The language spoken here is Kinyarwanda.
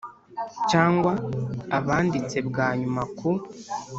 cyangwa abanditse bwa nyuma ku